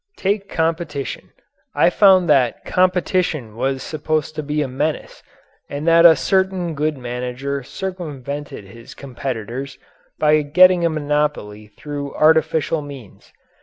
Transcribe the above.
Take competition; I found that competition was supposed to be a menace and that a good manager circumvented his competitors by getting a monopoly through artificial means.